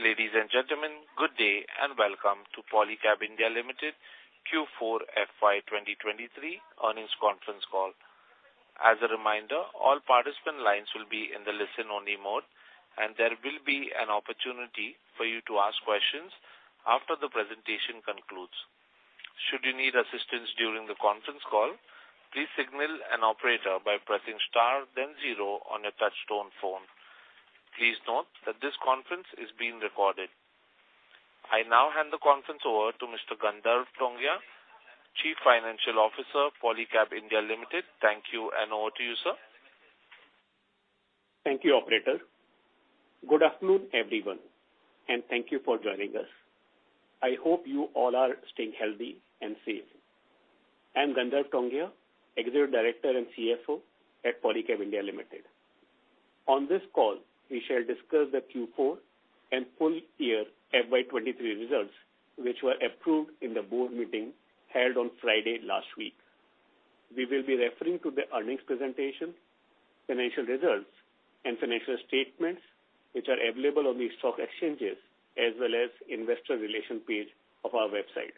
Ladies and gentlemen, good day and welcome to Polycab India Limited Q4 FY 2023 earnings conference call. As a reminder, all participant lines will be in the listen-only mode, and there will be an opportunity for you to ask questions after the presentation concludes. Should you need assistance during the conference call, please signal an operator by pressing star then zero on your touchtone phone. Please note that this conference is being recorded. I now hand the conference over to Mr. Gandharv Tongia, Chief Financial Officer, Polycab India Limited. Thank you, and over to you, sir. Thank you, operator. Good afternoon, everyone, and thank you for joining us. I hope you all are staying healthy and safe. I'm Gandharv Tongia, Executive Director and CFO at Polycab India Limited. On this call, we shall discuss the Q4 and full year FY 2023 results, which were approved in the board meeting held on Friday last week. We will be referring to the earnings presentation, financial results, and financial statements, which are available on the stock exchanges as well as Investor Relations page of our website.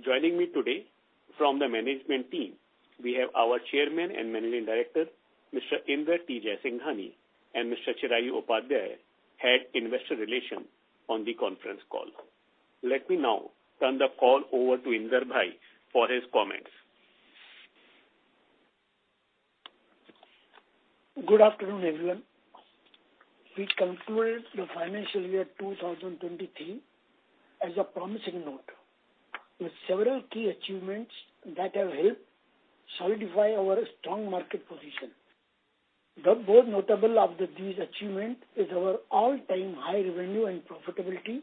Joining me today from the management team, we have our Chairman and Managing Director, Mr. Inder T. Jaisinghani and Mr. Chirayu Upadhyaya, Head Investor Relations on the conference call. Let me now turn the call over to Inder Bhai for his comments. Good afternoon, everyone. We concluded the financial year 2023 as a promising note, with several key achievements that have helped solidify our strong market position. The most notable of these achievements is our all-time high revenue and profitability,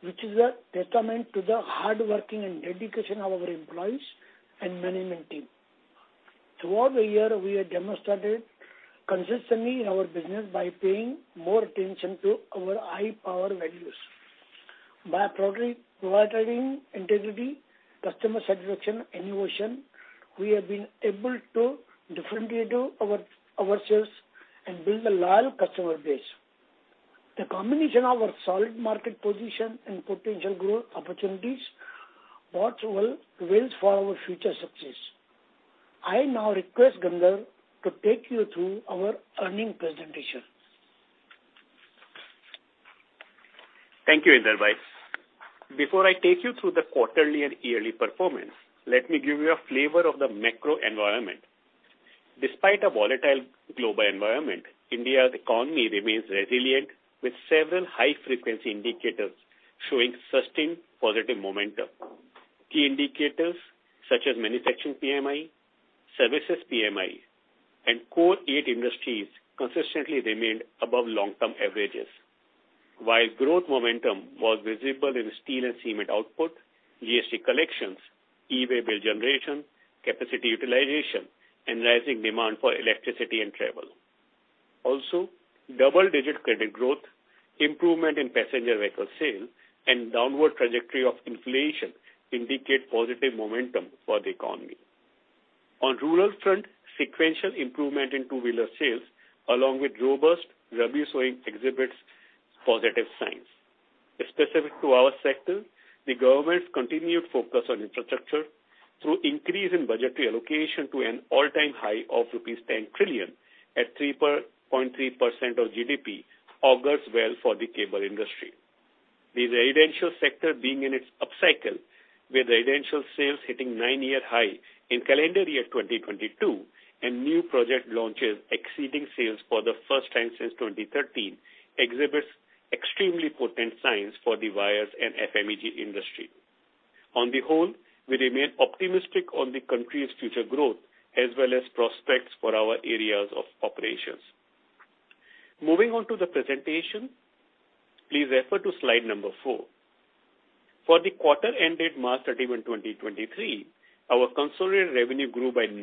which is a testament to the hard working and dedication of our employees and management team. Throughout the year, we have demonstrated consistently in our business by paying more attention to our high power values. By prioritizing integrity, customer satisfaction, innovation, we have been able to differentiate ourself and build a loyal customer base. The combination of our solid market position and potential growth opportunities bodes well for our future success. I now request Gandharv to take you through our earnings presentation. Thank you, Inder Bhai. Before I take you through the quarterly and yearly performance, let me give you a flavor of the macro environment. Despite a volatile global environment, India's economy remains resilient, with several high-frequency indicators showing sustained positive momentum. Key indicators such as manufacturing PMI, services PMI, and Eight Core Industries consistently remained above long-term averages. Growth momentum was visible in steel and cement output, GST collections, e-Way Bill generation, capacity utilization, and rising demand for electricity and travel. Double-digit credit growth, improvement in passenger vehicle sales, and downward trajectory of inflation indicate positive momentum for the economy. On rural front, sequential improvement in two-wheeler sales, along with robust revenue showing exhibits positive signs. Specific to our sector, the government's continued focus on infrastructure through increase in budgetary allocation to an all-time high of rupees 10 trillion at 3.3% of GDP augurs well for the cable industry. The residential sector being in its upcycle, with residential sales hitting 9-year high in calendar year 2022 and new project launches exceeding sales for the first time since 2013, exhibits extremely potent signs for the wires and FMEG industry. On the whole, we remain optimistic on the country's future growth as well as prospects for our areas of operations. Moving on to the presentation, please refer to slide number 4. For the quarter ended March 31, 2023, our consolidated revenue grew by 9%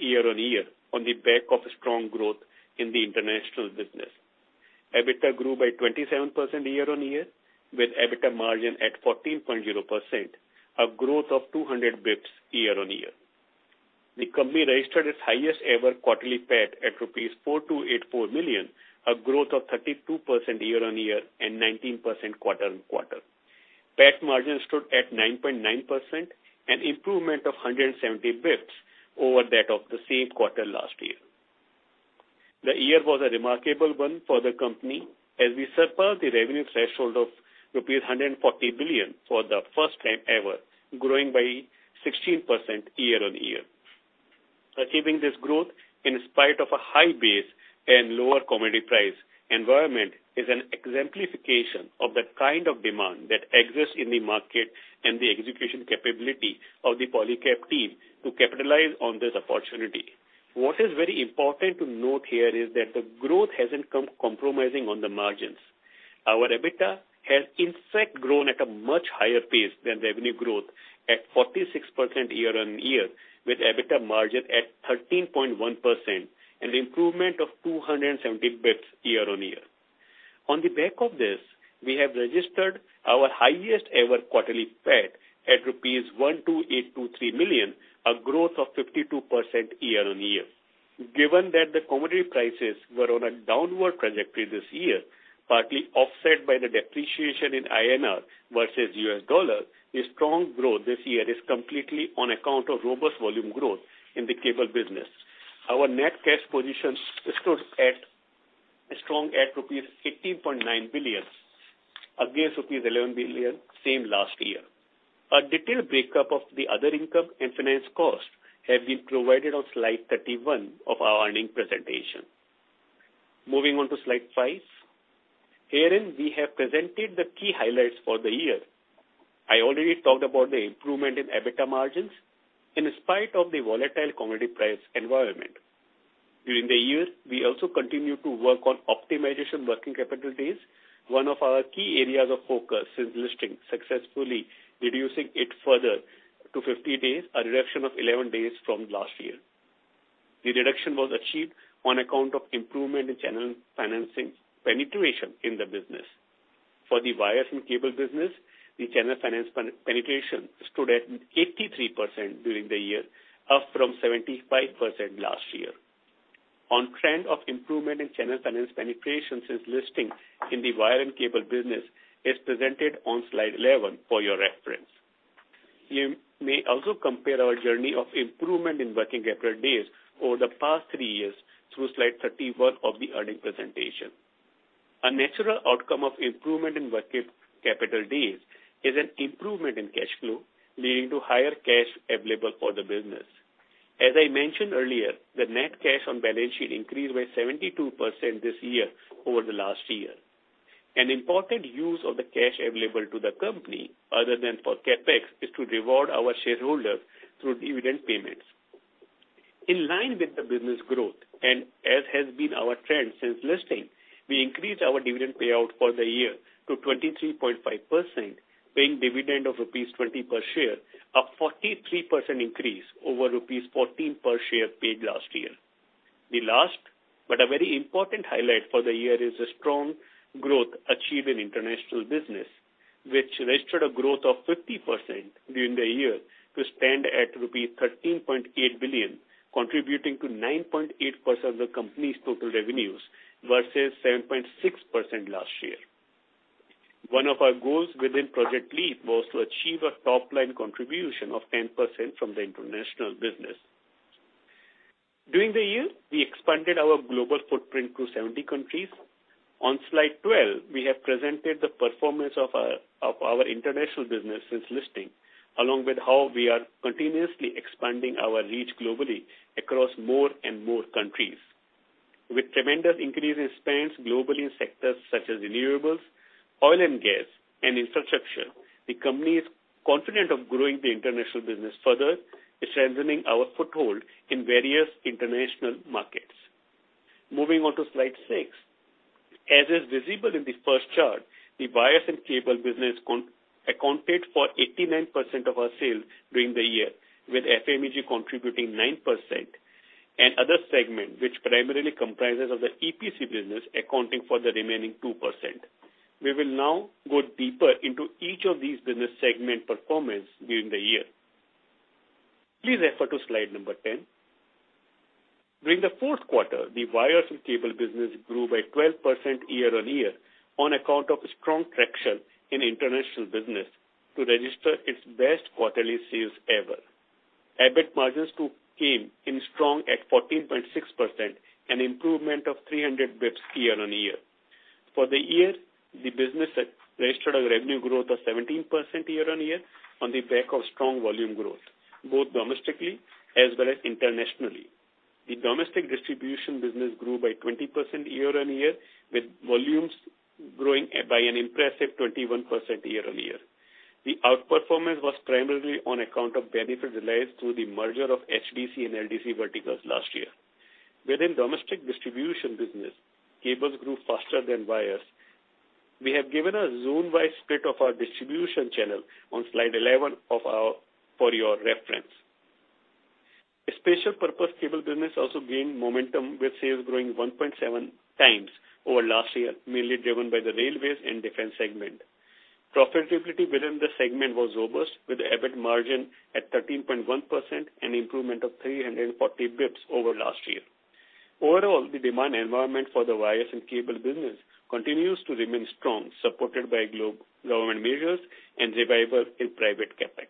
year-on-year on the back of strong growth in the international business. EBITDA grew by 27% year-on-year, with EBITDA margin at 14.0%, a growth of 200 basis points year-on-year. The company registered its highest ever quarterly PAT at rupees 4,284 million, a growth of 32% year-on-year and 19% quarter-on-quarter. PAT margin stood at 9.9%, an improvement of 170 basis points over that of the same quarter last year. The year was a remarkable one for the company, as we surpassed the revenue threshold of rupees 140 billion for the first time ever, growing by 16% year-on-year. Achieving this growth in spite of a high base and lower commodity price environment is an exemplification of the kind of demand that exists in the market and the execution capability of the Polycab team to capitalize on this opportunity. What is very important to note here is that the growth hasn't come compromising on the margins. Our EBITDA has in fact grown at a much higher pace than revenue growth at 46% year-on-year, with EBITDA margin at 13.1% and improvement of 270 BPS year-on-year. On the back of this, we have registered our highest ever quarterly PAT at rupees 12,823 million, a growth of 52% year-on-year. Given that the commodity prices were on a downward trajectory this year, partly offset by the depreciation in INR versus US dollar, the strong growth this year is completely on account of robust volume growth in the cable business. Our net cash position stood at a strong at rupees 18.9 billion against rupees 11 billion same last year. A detailed breakup of the other income and finance costs have been provided on slide 31 of our earning presentation. Moving on to slide 5. Herein, we have presented the key highlights for the year. I already talked about the improvement in EBITDA margins in spite of the volatile commodity price environment. During the year, we also continued to work on optimization working capital days, one of our key areas of focus since listing, successfully reducing it further to 50 days, a reduction of 11 days from last year. The reduction was achieved on account of improvement in channel financing penetration in the business. For the wires and cable business, the channel finance penetration stood at 83% during the year, up from 75% last year. On trend of improvement in channel finance penetration since listing in the wire and cable business is presented on slide 11 for your reference. You may also compare our journey of improvement in working capital days over the past three years through slide 31 of the earnings presentation. A natural outcome of improvement in working capital days is an improvement in cash flow, leading to higher cash available for the business. As I mentioned earlier, the net cash on balance sheet increased by 72% this year over the last year. An important use of the cash available to the company other than for CapEx is to reward our shareholders through dividend payments. In line with the business growth, and as has been our trend since listing, we increased our dividend payout for the year to 23.5%, paying dividend of rupees 20 per share, a 43% increase over rupees 14 per share paid last year. The last but a very important highlight for the year is the strong growth achieved in international business, which registered a growth of 50% during the year to stand at rupees 13.8 billion, contributing to 9.8% of the company's total revenues versus 7.6% last year. One of our goals within Project Leap was to achieve a top-line contribution of 10% from the international business. During the year, we expanded our global footprint to 70 countries. On slide 12, we have presented the performance of our international business since listing, along with how we are continuously expanding our reach globally across more and more countries. With tremendous increase in spends globally in sectors such as renewables, oil and gas, and infrastructure, the company is confident of growing the international business further, strengthening our foothold in various international markets. Moving on to slide 6. As is visible in the first chart, the wires and cable business accounted for 89% of our sales during the year, with FMEG contributing 9% and other segment, which primarily comprises of the EPC business accounting for the remaining 2%. We will now go deeper into each of these business segment performance during the year. Please refer to slide number 10. During the fourth quarter, the wires and cable business grew by 12% year-on-year on account of strong traction in international business to register its best quarterly sales ever. EBIT margins too came in strong at 14.6%, an improvement of 300 basis points year-on-year. For the year, the business registered a revenue growth of 17% year-on-year on the back of strong volume growth, both domestically as well as internationally. The domestic distribution business grew by 20% year-on-year, with volumes growing by an impressive 21% year-on-year. The outperformance was primarily on account of benefits realized through the merger of HDC and LDC verticals last year. Within domestic distribution business, cables grew faster than wires. We have given a zone-wide split of our distribution channel on slide 11 of our for your reference. Special purpose cable business also gained momentum, with sales growing 1.7x over last year, mainly driven by the railways and defense segment. Profitability within the segment was robust, with EBIT margin at 13.1%, an improvement of 340 bps over last year. Overall, the demand environment for the wires and cable business continues to remain strong, supported by government measures and revival in private CapEx.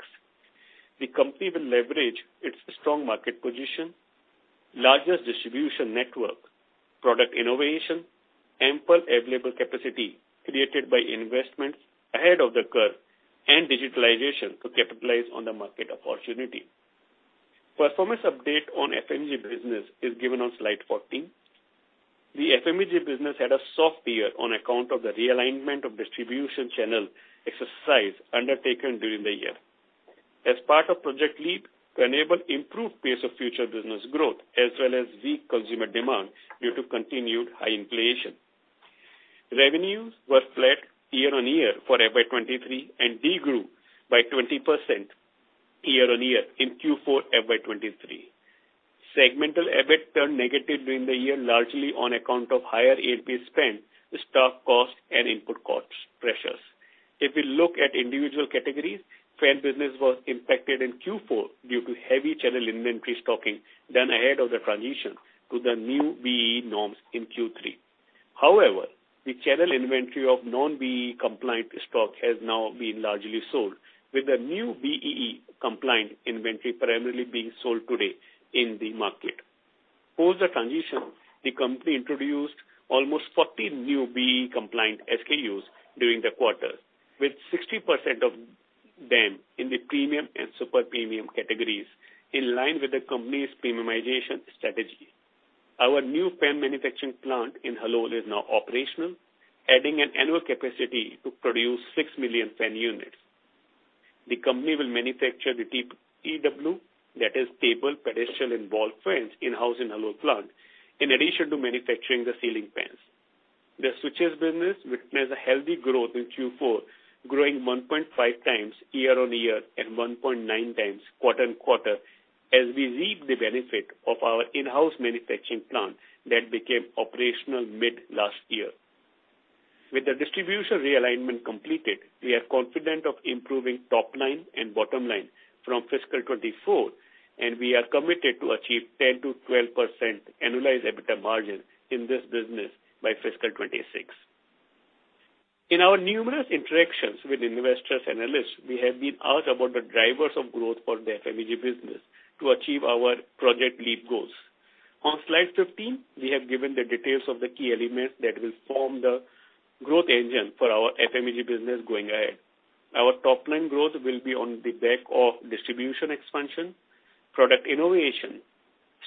The company will leverage its strong market position, largest distribution network, product innovation, ample available capacity created by investments ahead of the curve, and digitalization to capitalize on the market opportunity. Performance update on FMEG business is given on slide 14. The FMEG business had a soft year on account of the realignment of distribution channel exercise undertaken during the year. As part of Project Leap to enable improved pace of future business growth as well as weak consumer demand due to continued high inflation. Revenues were flat year-on-year for FY 2023 and de-grew by 20% year-on-year in Q4 FY 2023. Segmental EBIT turned negative during the year, largely on account of higher A&P spend, the stock cost, and input costs pressures. If we look at individual categories, fan business was impacted in Q4 due to heavy channel inventory stocking done ahead of the transition to the new BEE norms in Q3. However, the channel inventory of non-BEE compliant stock has now been largely sold, with the new BEE compliant inventory primarily being sold today in the market. Post the transition, the company introduced almost 40 new BEE compliant SKUs during the quarter, with 60% of them in the premium and super premium categories, in line with the company's premiumization strategy. Our new fan manufacturing plant in Halol is now operational, adding an annual capacity to produce 6 million fan units. The company will manufacture the TEW, that is table, pedestal, and wall fans in-house in Halol plant, in addition to manufacturing the ceiling fans. The switches business witnessed a healthy growth in Q4, growing 1.5x year-on-year and 1.9x quarter-on-quarter as we reap the benefit of our in-house manufacturing plant that became operational mid last year. With the distribution realignment completed, we are confident of improving top line and bottom line from fiscal 2024, and we are committed to achieve 10%-12% annualized EBITDA margin in this business by fiscal 2026. In our numerous interactions with investors analysts, we have been asked about the drivers of growth for the FMEG business to achieve our Project Leap goals. On slide 15, we have given the details of the key elements that will form the growth engine for our FMEG business going ahead. Our top line growth will be on the back of distribution expansion, product innovation,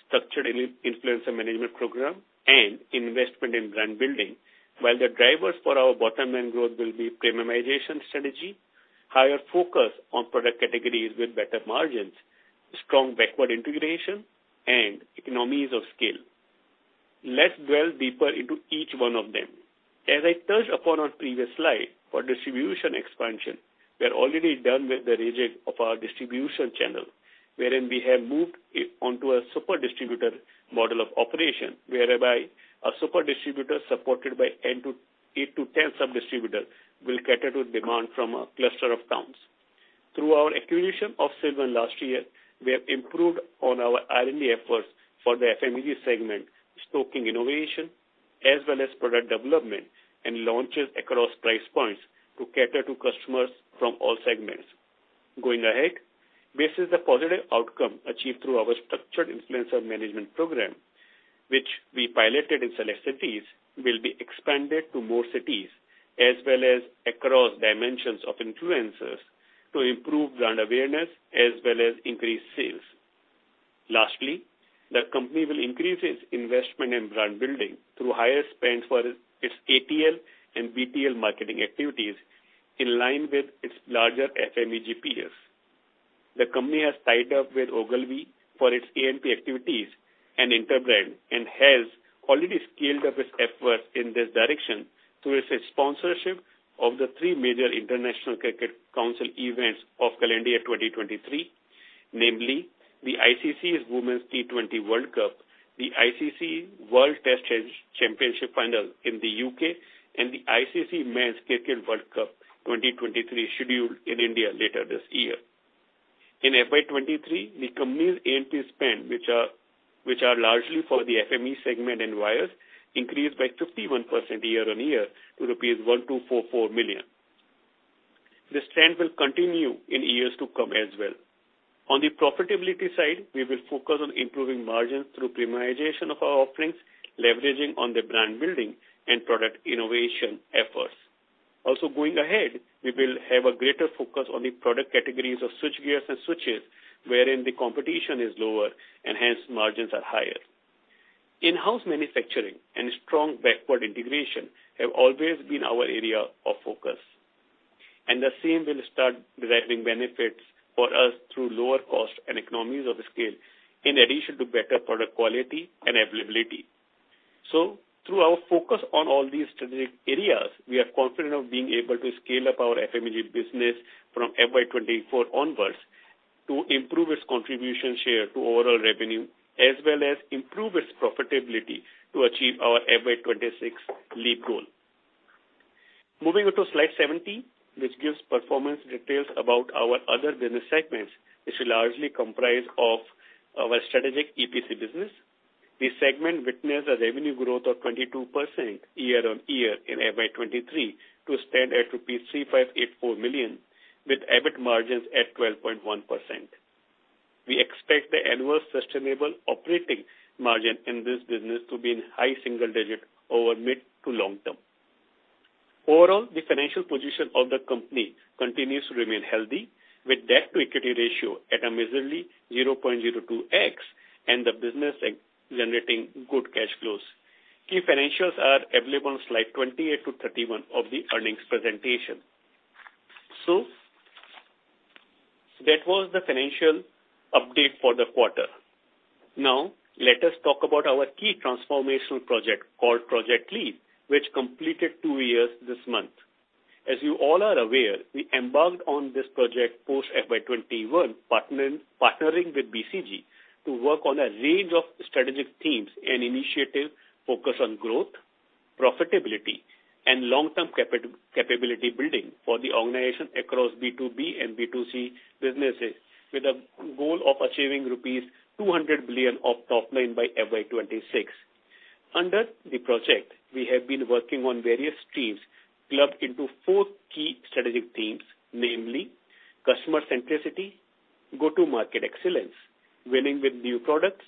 structured influencer management program, and investment in brand building. While the drivers for our bottom line growth will be premiumization strategy, higher focus on product categories with better margins, strong backward integration, and economies of scale. Let's dwell deeper into each one of them. As I touched upon previous slide, for distribution expansion, we are already done with the redesign of our distribution channel, wherein we have moved onto a super distributor model of operation, whereby a super distributor supported by 8 to 10 sub-distributor will cater to demand from a cluster of towns. Through our acquisition of Silvan last year, we have improved on our R&D efforts for the FMEG segment, stoking innovation as well as product development and launches across price points to cater to customers from all segments. Going ahead, this is the positive outcome achieved through our structured influencer management program, which we piloted in select cities, will be expanded to more cities as well as across dimensions of influencers to improve brand awareness as well as increase sales. Lastly, the company will increase its investment in brand building through higher spend for its ATL and BTL marketing activities in line with its larger FMEG peers. The company has tied up with Ogilvy for its A&P activities and Interbrand, and has already scaled up its efforts in this direction towards its sponsorship of the three major International Cricket Council events of calendar year 2023, namely the ICC Women's T20 World Cup, the ICC World Test Championship final in the UK, and the ICC Men's Cricket World Cup 2023 scheduled in India later this year. In FY 2023, the company's A&P spend, which are largely for the FME segment and wires, increased by 51% year-on-year to rupees 1,244 million. The trend will continue in years to come as well. On the profitability side, we will focus on improving margins through premiumization of our offerings, leveraging on the brand building and product innovation efforts. Going ahead, we will have a greater focus on the product categories of switchgears and switches, wherein the competition is lower and hence margins are higher. In-house manufacturing and strong backward integration have always been our area of focus, and the same will start deriving benefits for us through lower cost and economies of scale in addition to better product quality and availability. Through our focus on all these strategic areas, we are confident of being able to scale up our FMEG business from FY 2024 onwards to improve its contribution share to overall revenue as well as improve its profitability to achieve our FY 2026 LEAP goal. Moving on to slide 17, which gives performance details about our other business segments, which are largely comprised of our strategic EPC business. The segment witnessed a revenue growth of 22% year-on-year in FY 2023 to stand at rupees 3,584 million, with EBIT margins at 12.1%. We expect the annual sustainable operating margin in this business to be in high single digit over mid to long term. Overall, the financial position of the company continues to remain healthy, with debt-to-equity ratio at a measly 0.02x and the business generating good cash flows. Key financials are available on slide 28-31 of the earnings presentation. That was the financial update for the quarter. Let us talk about our key transformational project called Project Leap, which completed 2 years this month. As you all are aware, we embarked on this project post FY 2021, partnering with BCG to work on a range of strategic themes and initiatives focused on growth, profitability, and long-term capability building for the organization across B2B and B2C businesses, with a goal of achieving rupees 200 billion of top line by FY 2026. Under the project, we have been working on various streams clubbed into 4 key strategic themes, namely customer centricity, go-to-market excellence, winning with new products,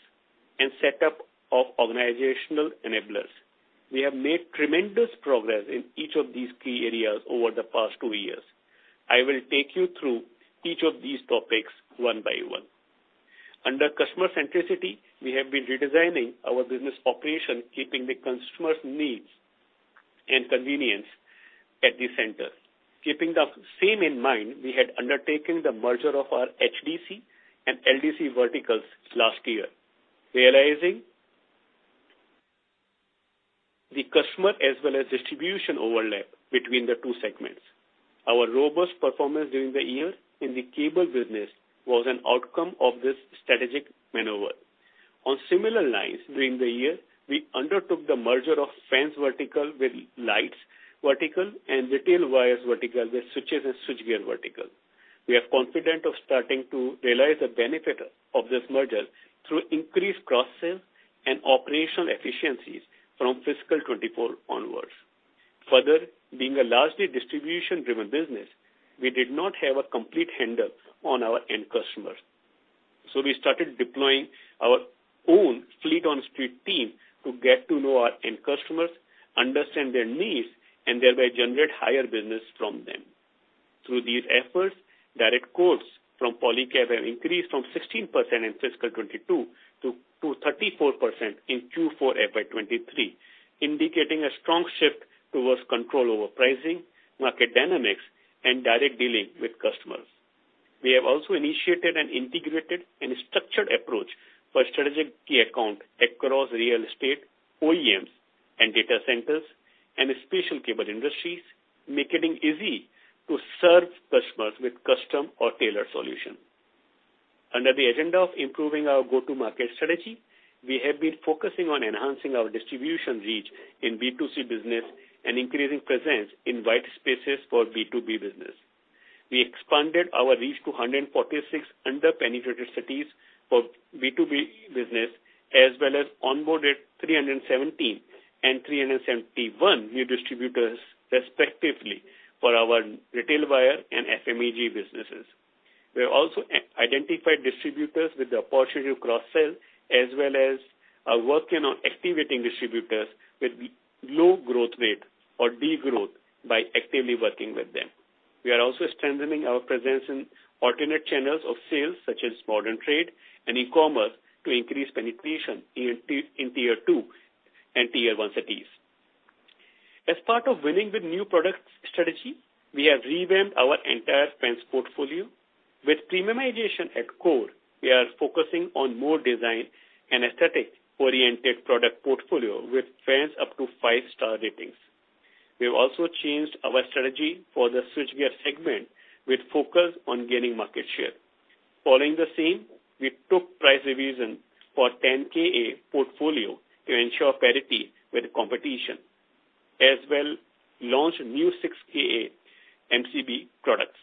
and set up of organizational enablers. We have made tremendous progress in each of these key areas over the past 2 years. I will take you through each of these topics one by one. Under customer centricity, we have been redesigning our business operation, keeping the consumer's needs and convenience at the center. Keeping the same in mind, we had undertaken the merger of our HDC and LDC verticals last year, realizing the customer as well as distribution overlap between the two segments. Our robust performance during the year in the cable business was an outcome of this strategic maneuver. On similar lines, during the year, we undertook the merger of fans vertical with lights vertical and retail wires vertical with switches and switchgear vertical. We are confident of starting to realize the benefit of this merger through increased cross-sales and operational efficiencies from fiscal 2024 onwards. Being a largely distribution-driven business, we did not have a complete handle on our end customers. We started deploying our own fleet on-street team to get to know our end customers, understand their needs, and thereby generate higher business from them. Through these efforts, direct quotes from Polycab have increased from 16% in fiscal 2022 to 34% in Q4 FY 2023, indicating a strong shift towards control over pricing, market dynamics, and direct dealing with customers. We have also initiated an integrated and structured approach for strategic key accounts across real estate, OEMs, and data centers, and special cable industries, making it easy to serve customers with custom or tailored solutions. Under the agenda of improving our go-to-market strategy, we have been focusing on enhancing our distribution reach in B2C business and increasing presence in white spaces for B2B business. We expanded our reach to 146 under-penetrated cities for B2B business as well as onboarded 317 and 371 new distributors respectively for our retail wire and FMEG businesses. We have also identified distributors with the opportunity to cross-sell, as well as are working on activating distributors with low growth rate or degrowth by actively working with them. We are also strengthening our presence in alternate channels of sales, such as modern trade and e-commerce, to increase penetration in Tier 2 and Tier 1 cities. As part of winning the new product strategy, we have revamped our entire fans portfolio. With premiumization at core, we are focusing on more design and aesthetic-oriented product portfolio with fans up to five-star ratings. We have also changed our strategy for the switchgear segment with focus on gaining market share. Following the same, we took price revision for 10 kA portfolio to ensure parity with the competition, as well launched new 6 kA MCB products.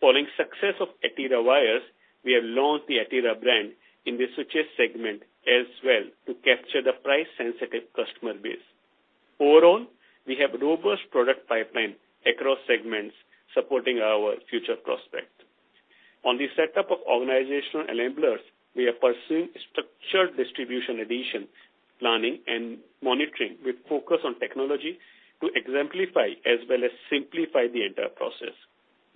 Following success of Etira wires, we have launched the Etira brand in the switches segment as well to capture the price-sensitive customer base. Overall, we have robust product pipeline across segments supporting our future prospect. On the setup of organizational enablers, we are pursuing structured distribution addition, planning, and monitoring with focus on technology to exemplify as well as simplify the entire process.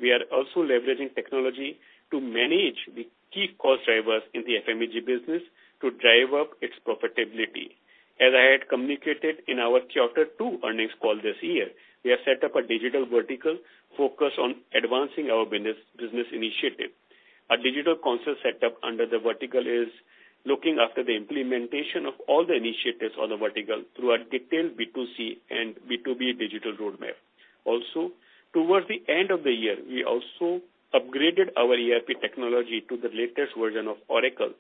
We are also leveraging technology to manage the key cost drivers in the FMEG business to drive up its profitability. As I had communicated in our quarter two earnings call this year, we have set up a digital vertical focused on advancing our business initiative. A digital console set up under the vertical is looking after the implementation of all the initiatives on the vertical through a detailed B2C and B2B digital roadmap. Towards the end of the year, we also upgraded our ERP technology to the latest version of Oracle.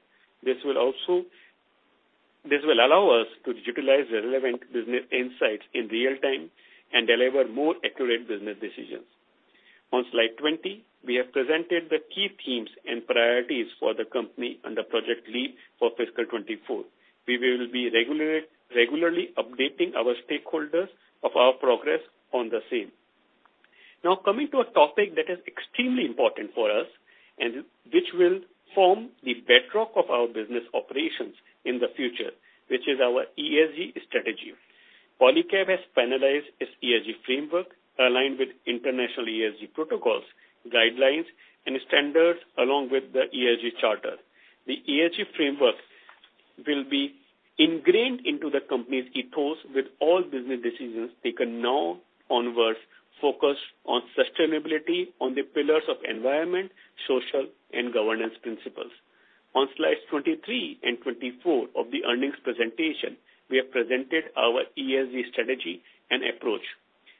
This will allow us to utilize relevant business insights in real time and deliver more accurate business decisions. On slide 20, we have presented the key themes and priorities for the company under Project Leap for fiscal 2024. We will be regularly updating our stakeholders of our progress on the same. Coming to a topic that is extremely important for us and which will form the bedrock of our business operations in the future, which is our ESG strategy. Polycab has finalized its ESG framework aligned with international ESG protocols, guidelines, and standards, along with the ESG charter. The ESG framework will be ingrained into the company's ethos with all business decisions taken now onwards focused on sustainability on the pillars of environment, social, and governance principles. On slides 23 and 24 of the earnings presentation, we have presented our ESG strategy and approach.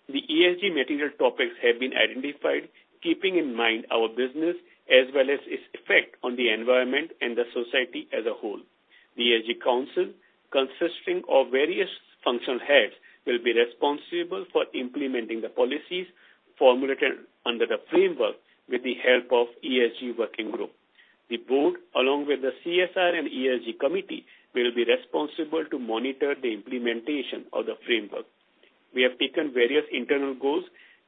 The ESG material topics have been identified keeping in mind our business as well as its effect on the environment and the society as a whole. The ESG council, consisting of various functional heads, will be responsible for implementing the policies formulated under the framework with the help of ESG working group. The board, along with the CSR and ESG committee, will be responsible to monitor the implementation of the framework. We have taken various internal goals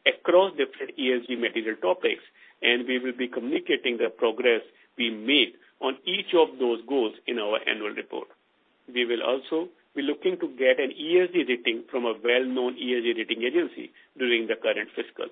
across different ESG material topics, we will be communicating the progress we made on each of those goals in our annual report. We will also be looking to get an ESG rating from a well-known ESG rating agency during the current fiscal.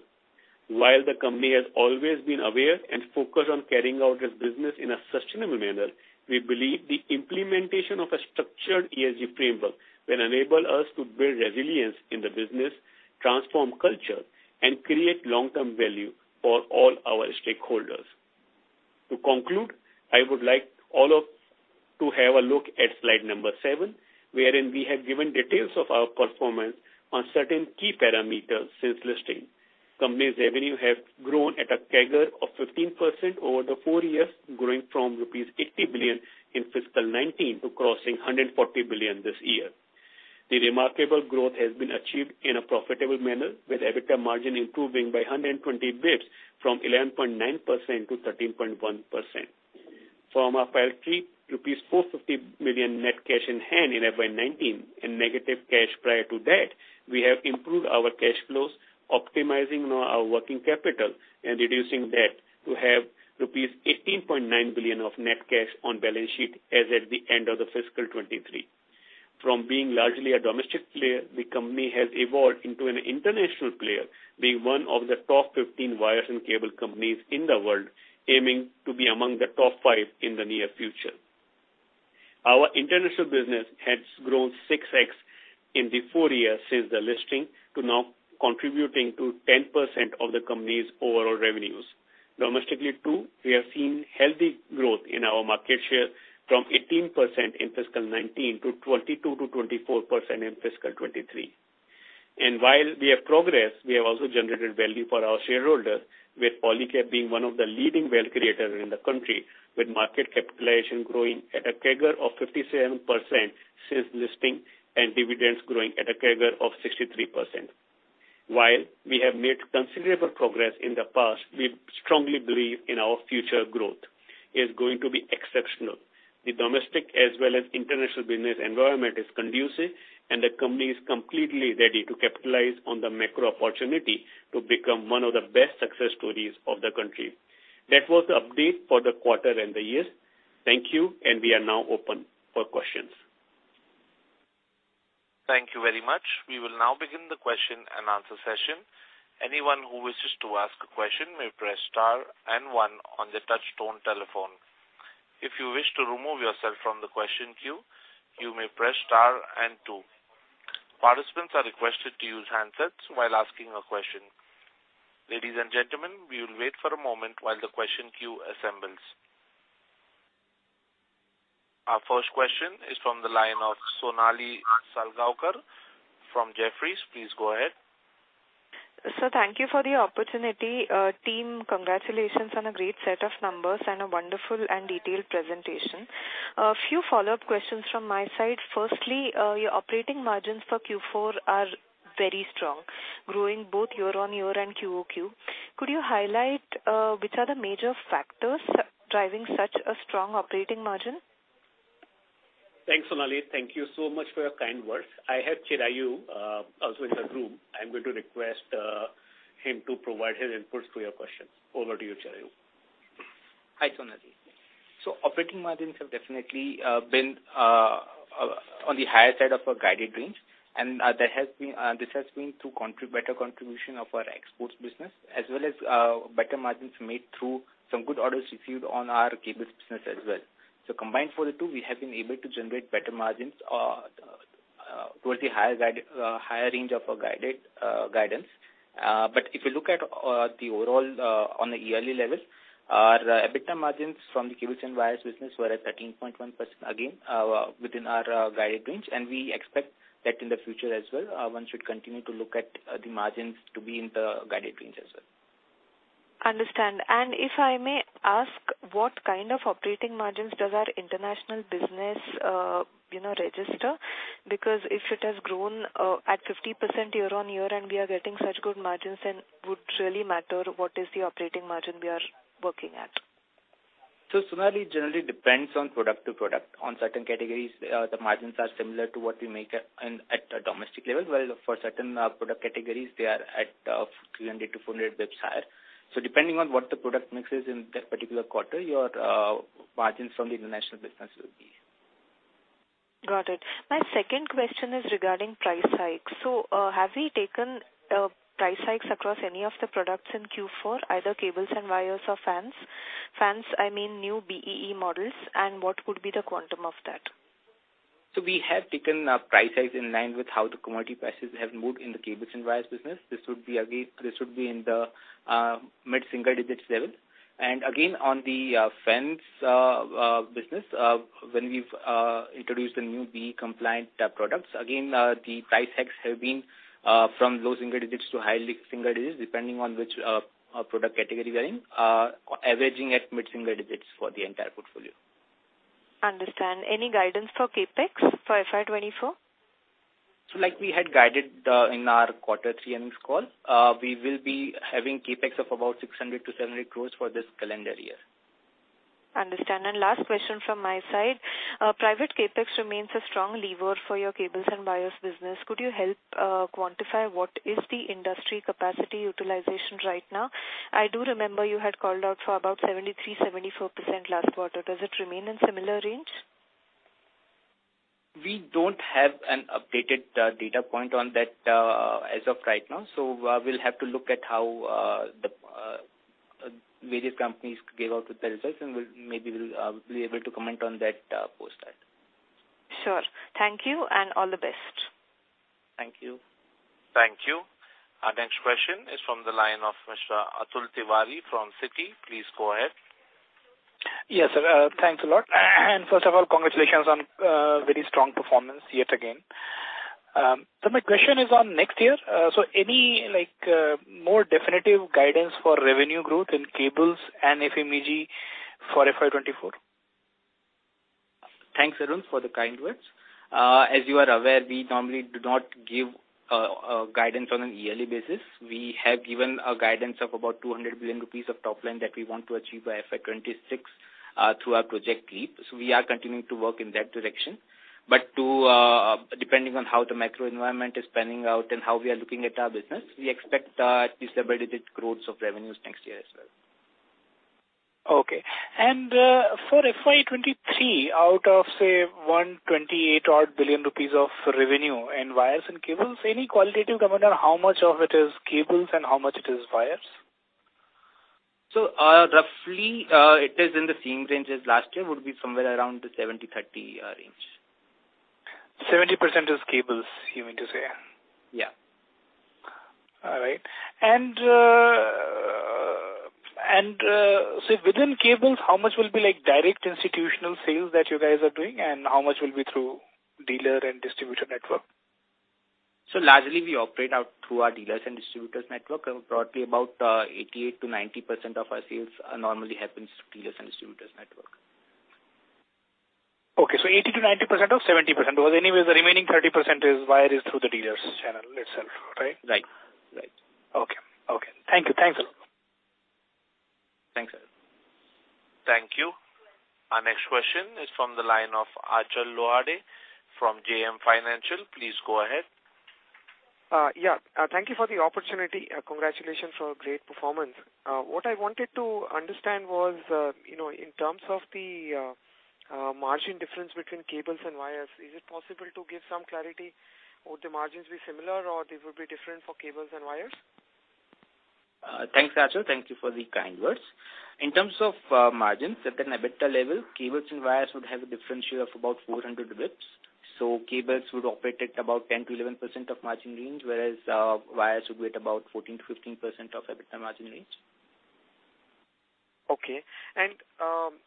While the company has always been aware and focused on carrying out its business in a sustainable manner, we believe the implementation of a structured ESG framework will enable us to build resilience in the business, transform culture, and create long-term value for all our stakeholders. To conclude, I would like to have a look at slide number 7, wherein we have given details of our performance on certain key parameters since listing. Company's revenue have grown at a CAGR of 15% over the four years, growing from rupees 80 billion in fiscal 2019 to crossing 140 billion this year. The remarkable growth has been achieved in a profitable manner, with EBITDA margin improving by 120 basis points from 11.9% to 13.1%. From a file 3 rupees and 450 million net cash in hand in FY19 and negative cash prior to that, we have improved our cash flows, optimizing our working capital and reducing debt to have rupees 18.9 billion of net cash on balance sheet as at the end of fiscal 2023. From being largely a domestic player, the company has evolved into an international player, being one of the top 15 wires and cable companies in the world, aiming to be among the top five in the near future. Our international business has grown 6x in the four years since the listing, to now contributing to 10% of the company's overall revenues. Domestically too, we have seen healthy growth in our market share from 18% in fiscal 2019 to 22 to 24% in fiscal 2023. While we have progressed, we have also generated value for our shareholders, with Polycab being one of the leading value creators in the country, with market capitalization growing at a CAGR of 57% since listing and dividends growing at a CAGR of 63%. While we have made considerable progress in the past, we strongly believe in our future growth is going to be exceptional. The domestic as well as international business environment is conducive and the company is completely ready to capitalize on the macro opportunity to become one of the best success stories of the country. That was the update for the quarter and the year. Thank you. We are now open for questions. Thank you very much. We will now begin the question-and-answer session. Anyone who wishes to ask a question may press star and one on the touchtone telephone. If you wish to remove yourself from the question queue, you may press star and two. Participants are requested to use handsets while asking a question. Ladies and gentlemen, we will wait for a moment while the question queue assembles. Our first question is from the line of Sonali Salgaonkar from Jefferies. Please go ahead. Sir, thank you for the opportunity. Team, congratulations on a great set of numbers and a wonderful and detailed presentation. A few follow-up questions from my side. Firstly, your operating margins for Q4 are very strong, growing both year-on-year and QOQ. Could you highlight which are the major factors driving such a strong operating margin? Thanks, Sonali. Thank you so much for your kind words. I have Chirayu, also in the room. I'm going to request him to provide his inputs to your questions. Over to you, Chirayu. Hi, Sonali. Operating margins have definitely been on the higher side of our guided range. This has been through better contribution of our exports business, as well as better margins made through some good orders received on our cables business as well. Combined for the two, we have been able to generate better margins towards the higher range of our guided guidance. If you look at the overall on a yearly level, our EBITDA margins from the cables and wires business were at 13.1%, again within our guided range. We expect that in the future as well, one should continue to look at the margins to be in the guided range as well. Understand. If I may ask, what kind of operating margins does our international business, you know, register? If it has grown at 50% year-over-year and we are getting such good margins, then would really matter what is the operating margin we are working at. Sonali, it generally depends on product to product. On certain categories, the margins are similar to what we make at a domestic level, while for certain product categories they are at 300-400 basis points higher. Depending on what the product mix is in that particular quarter, your margins from the international business will be. Got it. My second question is regarding price hikes. Have we taken price hikes across any of the products in Q4, either cables and wires or fans? Fans, I mean, new BEE models, and what would be the quantum of that? We have taken our price hikes in line with how the commodity prices have moved in the cables and wires business. This would be, again, this would be in the mid-single digits level. Again, on the fans business, when we've introduced the new BEE compliant products, again, the price hikes have been from low single digits to high single digits, depending on which product category we're in, averaging at mid-single digits for the entire portfolio. Understand. Any guidance for CapEx for FY 2024? Like we had guided, in our quarter three earnings call, we will be having CapEx of about 600 crore-700 crore for this calendar year. Understand. Last question from my side. Private CapEx remains a strong lever for your cables and wires business. Could you help quantify what is the industry capacity utilization right now? I do remember you had called out for about 73%-74% last quarter. Does it remain in similar range? We don't have an updated data point on that as of right now, so we'll have to look at how the various companies give out the results, and maybe we'll be able to comment on that post that. Sure. Thank you, and all the best. Thank you. Thank you. Our next question is from the line of Mr. Atul Tiwari from Citi. Please go ahead. Yes, sir, thanks a lot. First of all, congratulations on very strong performance yet again. My question is on next year. Any, like, more definitive guidance for revenue growth in cables and FMEG for FY 2024? Thanks, Atul, for the kind words. As you are aware, we normally do not give guidance on a yearly basis. We have given a guidance of about 200 billion rupees of top line that we want to achieve by FY 2026 through our Project Leap. We are continuing to work in that direction. Depending on how the macro environment is panning out and how we are looking at our business, we expect double-digit growth of revenues next year as well. Okay. for FY 2023, out of, say, 128 odd billion of revenue in wires and cables, any qualitative comment on how much of it is cables and how much it is wires? Roughly, it is in the same range as last year, would be somewhere around the 70/30 range. 70% is cables, you mean to say? Yeah. All right. Within cables, how much will be like direct institutional sales that you guys are doing, and how much will be through dealer and distributor network? Largely, we operate out through our dealers and distributors network, and broadly about 88%-90% of our sales normally happens through dealers and distributors network. Okay, 80%-90% of 70%, because anyways the remaining 30% is wired through the dealers channel itself, right? Right. Right. Okay. Okay. Thank you. Thanks a lot. Thanks, Atul. Thank you. Our next question is from the line of Achal Lohade from JM Financial. Please go ahead. Thank you for the opportunity. Congratulations for great performance. What I wanted to understand was, you know, in terms of the margin difference between cables and wires, is it possible to give some clarity? Would the margins be similar or they would be different for cables and wires? Thanks, Achal. Thank you for the kind words. In terms of margins at an EBITDA level, cables and wires would have a differential of about 400 basis points. Cables would operate at about 10%-11% of margin range, whereas wires would be at about 14-15% of EBITDA margin range. Okay.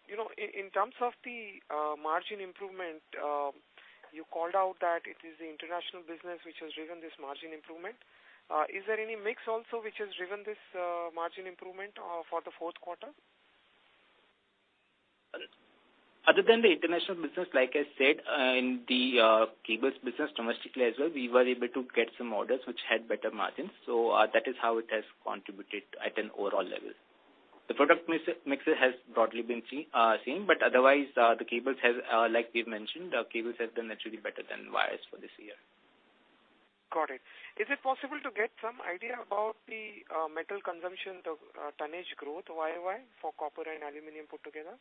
You know, in terms of the margin improvement, you called out that it is the international business which has driven this margin improvement. Is there any mix also which has driven this margin improvement for the fourth quarter? Other than the international business, like I said, in the cables business domestically as well, we were able to get some orders which had better margins. That is how it has contributed at an overall level. The product mix has broadly been same, but otherwise, the cables has, like we've mentioned, cables has done naturally better than wires for this year. Got it. Is it possible to get some idea about the metal consumption, the tonnage growth YoY for copper and aluminum put together?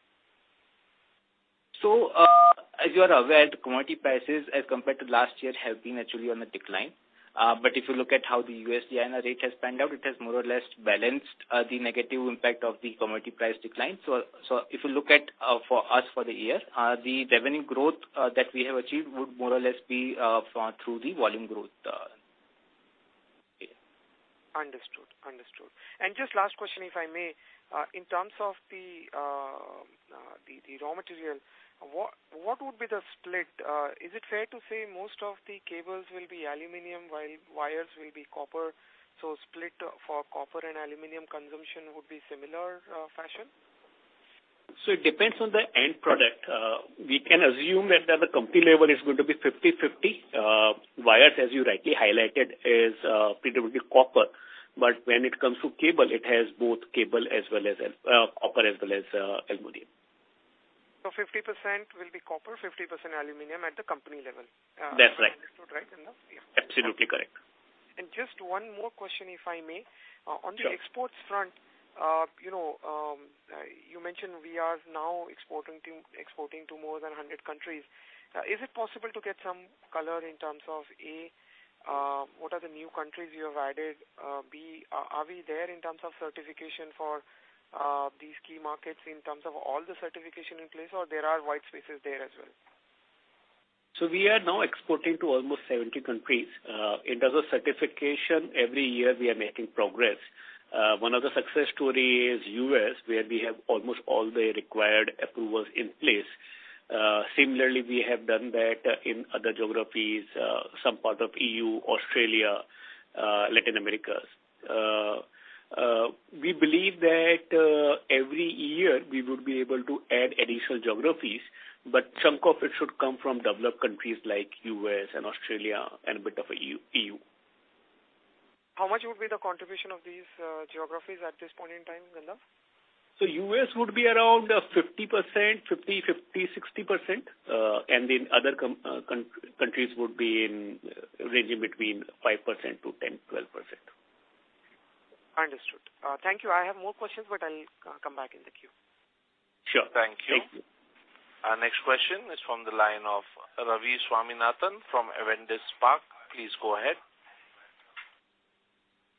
As you are aware, the commodity prices as compared to last year have been actually on a decline. If you look at how the USD INR rate has panned out, it has more or less balanced the negative impact of the commodity price decline. If you look at, for us for the year, the revenue growth that we have achieved would more or less be through the volume growth, yeah. Understood. Understood. Just last question, if I may. In terms of the raw material, what would be the split? Is it fair to say most of the cables will be aluminum while wires will be copper, so split for copper and aluminum consumption would be similar fashion? It depends on the end product. We can assume that at the company level it's going to be 50/50. Wires, as you rightly highlighted, is predominantly copper. When it comes to cable, it has both cable as well as copper as well as aluminum. 50% will be copper, 50% aluminum at the company level. That's right. Understood right in the... Yeah. Absolutely correct. Just one more question, if I may. Sure. On the exports front, you know, you mentioned we are now exporting to more than 100 countries. Is it possible to get some color in terms of, A, what are the new countries you have added? B, are we there in terms of certification for these key markets in terms of all the certification in place, or there are wide spaces there as well? We are now exporting to almost 70 countries. In terms of certification, every year we are making progress. One of the success story is U.S., where we have almost all the required approvals in place. Similarly, we have done that in other geographies, some part of EU, Australia, Latin Americas. We believe that every year we would be able to add additional geographies, but chunk of it should come from developed countries like U.S. and Australia and a bit of EU. How much would be the contribution of these geographies at this point in time, Gandharv? US would be around 50%, 50, 60%. Other countries would be in, ranging between 5% to 10%-12%. Understood. Thank you. I have more questions. I'll come back in the queue. Sure. Thank you. Thank you. Our next question is from the line of Ravi Swaminathan from Avendus Spark. Please go ahead.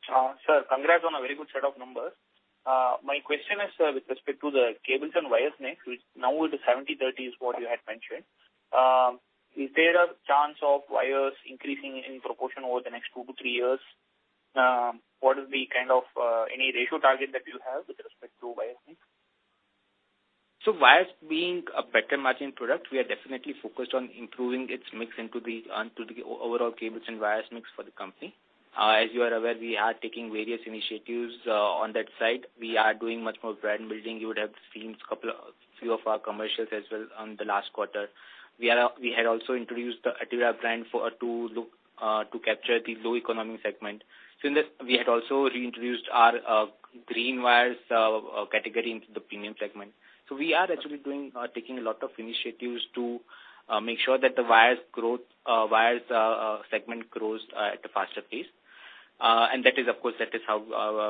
Sir, congrats on a very good set of numbers. My question is, sir, with respect to the cables and wires mix, which now is 70/30 is what you had mentioned. Is there a chance of wires increasing in proportion over the next 2-3 years? What is the kind of any ratio target that you have with respect to wire mix? Wires being a better margin product, we are definitely focused on improving its mix into the overall cables and wires mix for the company. As you are aware, we are taking various initiatives on that side. We are doing much more brand building. You would have seen couple of, few of our commercials as well on the last quarter. We had also introduced the Etira brand for to look to capture the low economic segment. In this, we had also reintroduced our Green Wires category into the premium segment. We are actually doing taking a lot of initiatives to make sure that the wires segment grows at a faster pace. That is, of course, that is how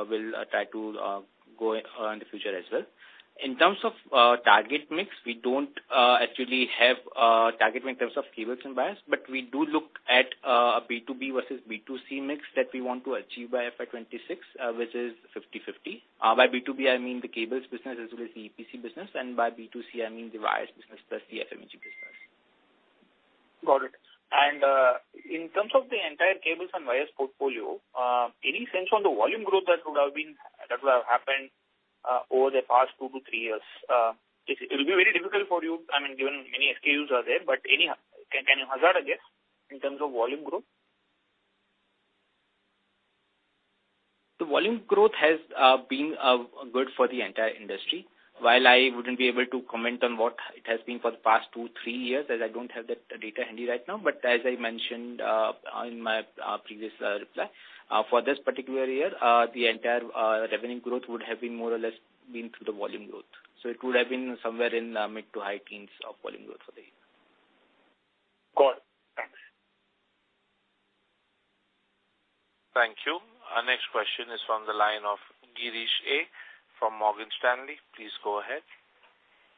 we'll try to go in the future as well. In terms of target mix, we don't actually have target mix in terms of cables and wires, but we do look at B2B versus B2C mix that we want to achieve by FY 2026, which is 50/50. By B2B, I mean the cables business as well as the EPC business, and by B2C, I mean the wires business plus the FMEG business. Got it. In terms of the entire cables and wires portfolio, any sense on the volume growth that would have happened, over the past 2-3 years? It will be very difficult for you, I mean, given many SKUs are there, but can you hazard a guess in terms of volume growth? The volume growth has been good for the entire industry. While I wouldn't be able to comment on what it has been for the past 2, 3 years, as I don't have that data handy right now, but as I mentioned on my previous reply for this particular year, the entire revenue growth would have been more or less been through the volume growth. It would have been somewhere in mid to high teens of volume growth for the year. Got it. Thanks. Thank you. Our next question is from the line of Girish A. from Morgan Stanley. Please go ahead.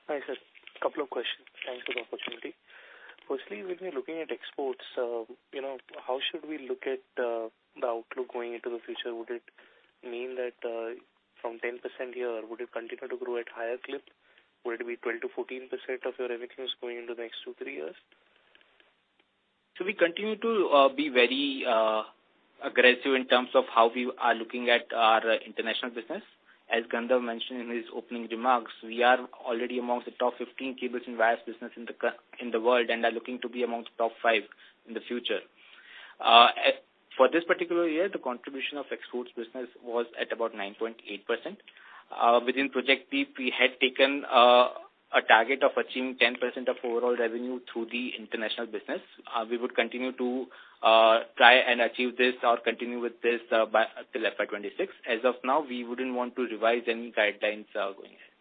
Hi, sir. A couple of questions. Thanks for the opportunity. Firstly, with me looking at exports, you know, how should we look at the outlook going into the future? Would it mean that from 10% year, would it continue to grow at higher clip? Would it be 12%-14% of your revenues going into the next 2, 3 years? We continue to be very aggressive in terms of how we are looking at our international business. As Gandharv mentioned in his opening remarks, we are already amongst the top 15 cables and wires business in the world, and are looking to be amongst the top five in the future. For this particular year, the contribution of exports business was at about 9.8%. Within Project Leap, we had taken a target of achieving 10% of overall revenue through the international business. We would continue to try and achieve this or continue with this until FY 2026. As of now, we wouldn't want to revise any guidelines going ahead.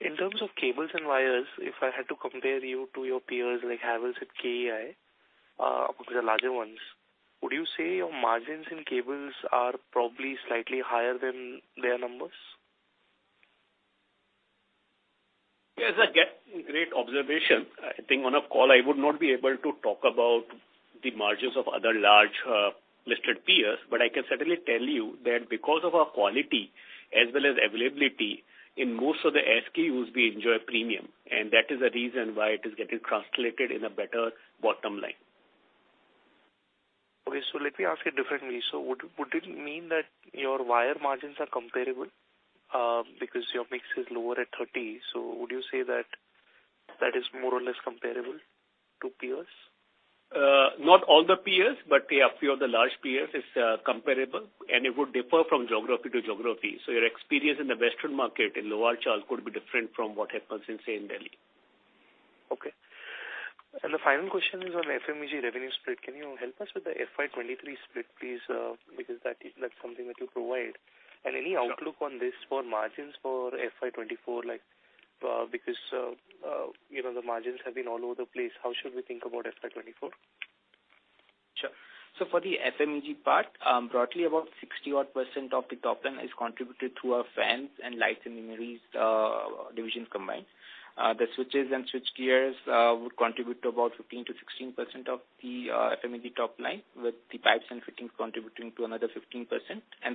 In terms of cables and wires, if I had to compare you to your peers like Havells and KEI, of course, the larger ones, would you say your margins in cables are probably slightly higher than their numbers? Yes, I get. Great observation. I think on a call, I would not be able to talk about the margins of other large listed peers. I can certainly tell you that because of our quality as well as availability, in most of the SKUs, we enjoy premium. That is the reason why it is getting translated in a better bottom line. Okay. Let me ask you differently. Would it mean that your wire margins are comparable, because your mix is lower at 30? Would you say that that is more or less comparable to peers? Not all the peers, but a few of the large peers is comparable, and it would differ from geography to geography. Your experience in the western market in Lower Parel could be different from what happens in, say, in Delhi. Okay. The final question is on FMEG revenue split. Can you help us with the FY 2023 split, please? Because that's something that you provide. Sure. any outlook on this for margins for FY 2024? Like, because, you know, the margins have been all over the place. How should we think about FY 2024? Sure. For the FMEG part, broadly about 60% odd of the top line is contributed through our fans and lights and luminaires division combined. The switches and switchgears would contribute to about 15%-16% of the FMEG top line, with the pipes and fittings contributing to another 15%.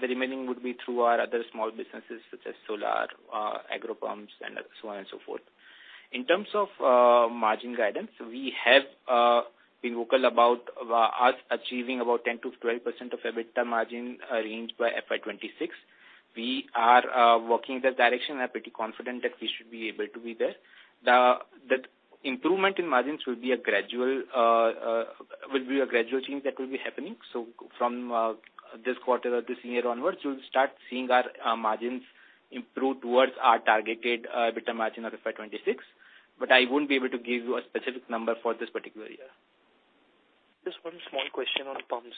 The remaining would be through our other small businesses such as solar, agro pumps and so on and so forth. In terms of margin guidance, we have been vocal about us achieving about 10%-12% of EBITDA margin range by FY 2026. We are working in that direction. I'm pretty confident that we should be able to be there. The improvement in margins will be a gradual change that will be happening. From this quarter or this year onwards, you'll start seeing our margins improve towards our targeted EBITDA margin of FY 2026, but I wouldn't be able to give you a specific number for this particular year. Just one small question on pumps.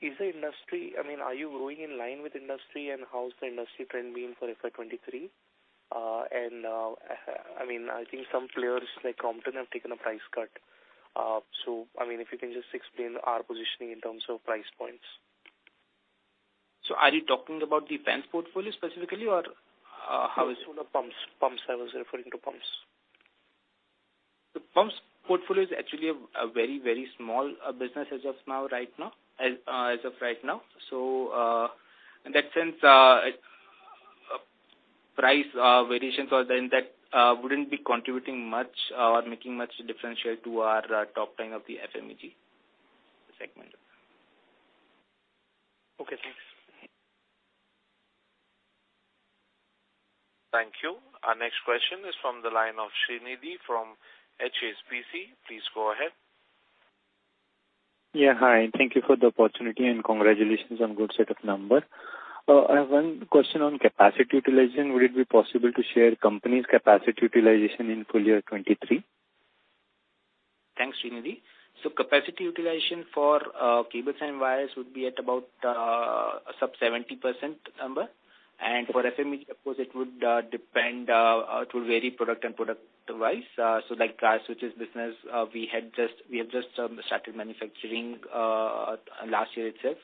I mean, are you moving in line with industry, and how is the industry trend being for FY 2023? I mean, I think some players like Crompton have taken a price cut. I mean, if you can just explain our positioning in terms of price points. Are you talking about the fans portfolio specifically or how is it? Pumps. I was referring to pumps. The pumps portfolio is actually a very, very small business as of now, right now, as of right now. In that sense, price variations or the impact wouldn't be contributing much or making much differentiate to our top line of the FMEG segment. Okay, thanks. Thank you. Our next question is from the line of Shrinidhi from HSBC. Please go ahead. Yeah, hi, and thank you for the opportunity, and congratulations on good set of number. I have one question on capacity utilization. Would it be possible to share company's capacity utilization in full year 2023? Thanks, Shrinidhi. Capacity utilization for cables and wires would be at about sub 70% number. For FMEG, of course, it would depend to vary product and product device. Like power switches business, we have just started manufacturing last year itself.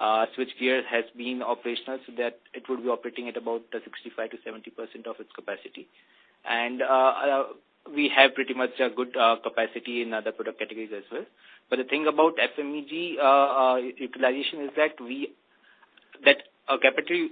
Switchgear has been operational, so that it would be operating at about 65%-70% of its capacity. We have pretty much a good capacity in other product categories as well. The thing about FMEG utilization is that our capacity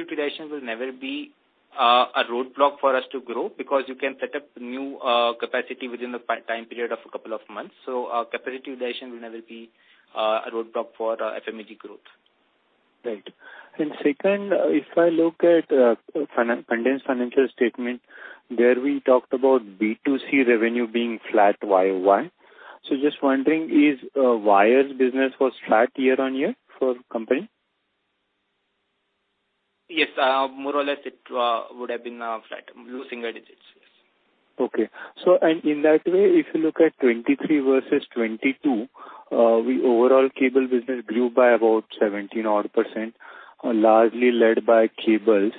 utilization will never be a roadblock for us to grow because you can set up new capacity within the time period of a couple of months. Our capacity utilization will never be a roadblock for our FMEG growth. Right. Second, if I look at condensed financial statement, there we talked about B2C revenue being flat YoY. Just wondering, is wires business was flat year-on-year for the company? Yes, more or less it would have been flat. Low single digits. Yes. Okay. In that way, if you look at 2023 versus 2022, we overall cable business grew by about 17% odd, largely led by cables.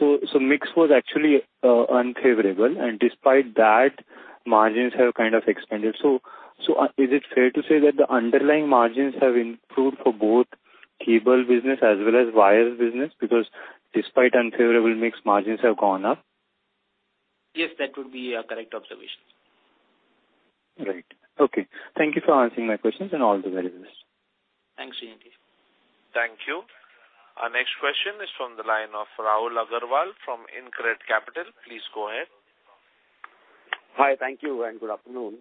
Mix was actually unfavorable, and despite that, margins have kind of expanded. Is it fair to say that the underlying margins have improved for both cable business as well as wires business because despite unfavorable mix, margins have gone up? Yes, that would be a correct observation. Right. Okay. Thank you for answering my questions and all the very best. Thanks, Shrinidhi. Thank you. Our next question is from the line of Rahul Agarwal from Incred Capital. Please go ahead. Hi. Thank you and good afternoon.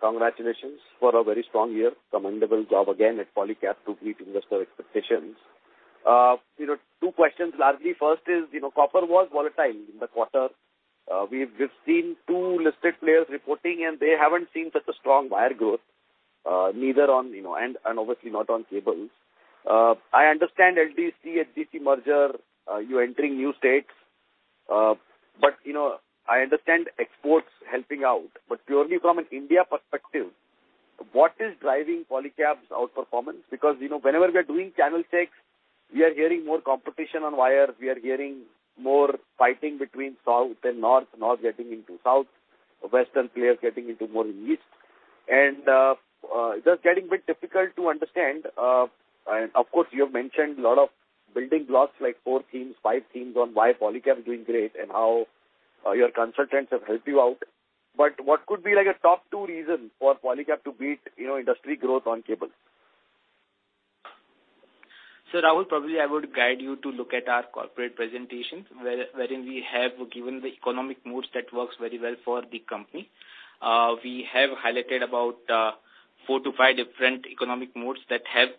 Congratulations for a very strong year. Commendable job again at Polycab to meet investor expectations. You know, two questions largely. First is, you know, copper was volatile in the quarter. We've seen two listed players reporting, and they haven't seen such a strong wire growth, neither on, you know, and obviously not on cables. I understand LDC, HDC merger, you entering new states, but you know, I understand exports helping out. Purely from an India perspective, what is driving Polycab's outperformance? Because, you know, whenever we are doing channel checks, we are hearing more competition on wires. We are hearing more fighting between south and north getting into south, western players getting into more east. Just getting a bit difficult to understand. Of course, you have mentioned a lot of building blocks like four themes, five themes on why Polycab is doing great and how your consultants have helped you out. What could be like a top two reason for Polycab to beat, you know, industry growth on cables? Rahul, probably I would guide you to look at our corporate presentations where, wherein we have given the economic moats that works very well for the company. We have highlighted about four to five different economic moats that have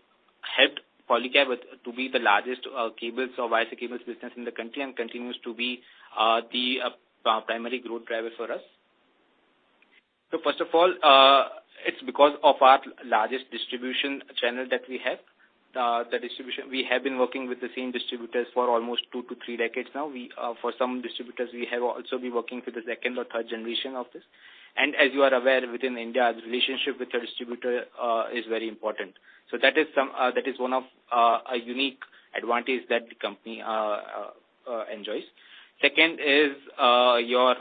helped Polycab to be the largest cables or wires and cables business in the country and continues to be the primary growth driver for us. First of all, it's because of our largest distribution channel that we have. The distribution, we have been working with the same distributors for almost two to three decades now. We, for some distributors, we have also been working for the second or third generation of this. As you are aware within India, the relationship with your distributor is very important. That is some, that is one of a unique advantage that the company enjoys. Second is, your,